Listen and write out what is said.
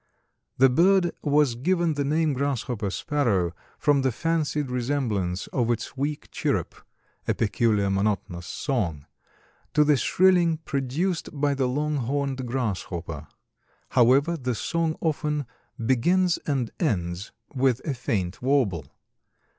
This bird was given the name Grasshopper Sparrow from the fancied resemblance of its weak cherup—"a peculiar monotonous song"—to the shrilling produced by the long horned grasshopper. However, the song often begins and ends with a faint warble.